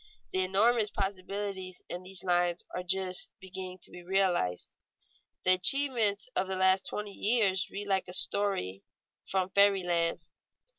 The enormous possibilities in these lines are just beginning to be realized. The achievements of the last twenty years read like a story from fairy land.